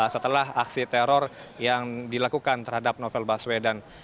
setelah aksi teror yang dilakukan terhadap novel baswedan